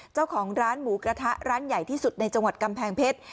เจ้าของร้านหมูกระทะร้านใหญ่ที่สุดในจังหวัดกำแพงเพชร